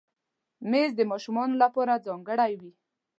مېز د ماشومانو لپاره ځانګړی وي.